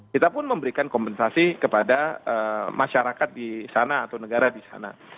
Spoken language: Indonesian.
kita pun memberikan kompensasi kepada masyarakat di sana atau negara di sana